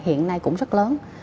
hiện nay cũng rất lớn